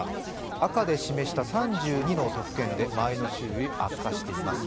赤で示した３２の都府県で前の週より悪化しています。